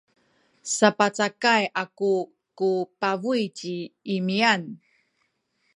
sapacakay aku ku pabuy ci Imian.